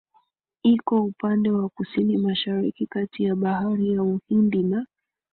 Iko upande wa Kusini Mashariki kati ya Bahari ya Uhindi na